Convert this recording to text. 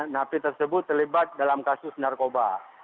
napi tersebut terlibat dalam kasus narkoba